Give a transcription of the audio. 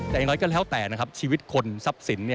แต่อย่างไรก็แล้วแต่นะครับชีวิตคนทรัพย์สิน